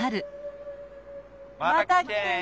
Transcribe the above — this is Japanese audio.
また来てね！